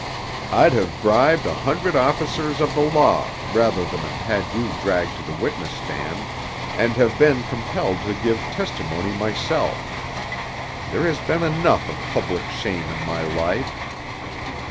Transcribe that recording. I'd have bribed a hundred officers of the law rather than have had you dragged to the witness stand, and have been compelled to give testimony myself. There has been enough of public shame in my life."